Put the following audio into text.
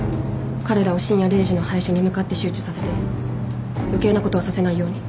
彼らを深夜０時の配信に向かって集中させて余計なことはさせないように。